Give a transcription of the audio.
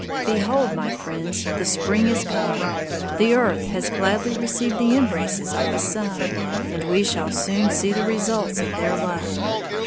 "Behold, my friends, the spring is come; the earth has gladly received the embraces of the sun, and we shall soon see the results of their love!